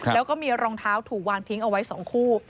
แล้วก็มีรองเท้าถูกวางทิ้งเอาไว้๒คู่